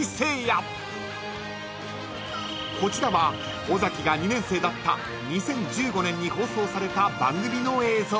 ［こちらは尾が２年生だった２０１５年に放送された番組の映像］